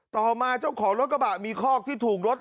ต่อมาเจ้าของรถกระบะมีคอกที่ถูกรถ